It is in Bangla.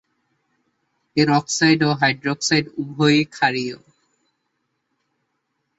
এর অক্সাইড ও হাইড্রক্সাইড উভয়ই ক্ষারীয়।